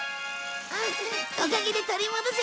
おかげで取り戻せたよ。